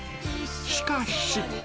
しかし。